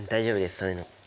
そういうの。